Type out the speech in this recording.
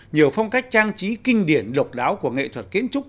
nhiều phong cách trang trí kinh điển độc đáo của nghệ thuật kiến trúc